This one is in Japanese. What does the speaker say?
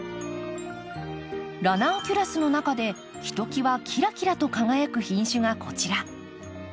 ラナンキュラスの中でひときわキラキラと輝く品種がこちら。